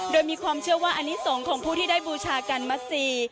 โดยมีความเชื่อว่าอนิสงฆ์ของผู้ที่ได้บูชากันมัสซี